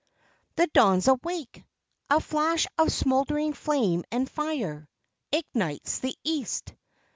The Dawn's awake! A flash of smoldering flame and fire Ignites the East.